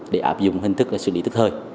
để áp dụng hình thức xử lý tức thời